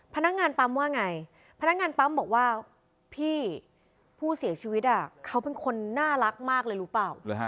พนักงานปั๊มว่าไงพนักงานปั๊มบอกว่าพี่ผู้เสียชีวิตเขาเป็นคนน่ารักมากเลยรู้เปล่า